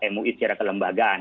mui secara kelembagaan